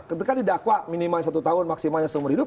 ketika didakwa minimal satu tahun maksimalnya seumur hidup